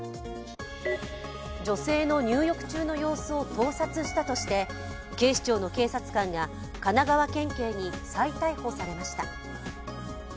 女性の入浴中の様子を盗撮したとして、警視庁の警察官が神奈川県警に再逮捕されました。